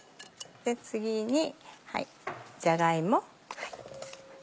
次にじゃが芋。